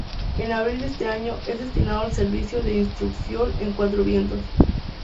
En abril de este año es destinado al Servicio de Instrucción en Cuatro Vientos.